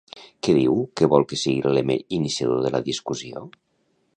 Què diu que vol que sigui l'element iniciador de la discussió?